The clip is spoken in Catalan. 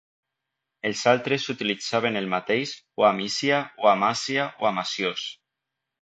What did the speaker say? Els altres utilitzaven el mateix, o Amisia, o Amasia o Amasios.